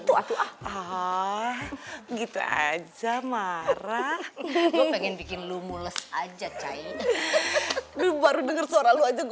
tuh aku ah gitu aja marah pengen bikin lu mules aja cahy baru denger suara lu aja gue